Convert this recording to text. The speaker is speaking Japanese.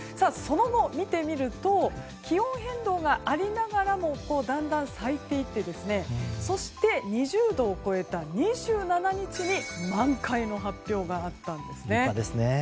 その後、見てみると気温変動がありながらもだんだん咲いていってそして、２０度を超えた２７日に満開の発表があったんですね。